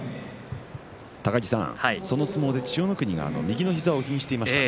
その相撲で千代の国が右の膝を気にしていました。